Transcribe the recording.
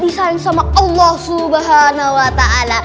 bisa yang sama allah subhanahu wa ta'ala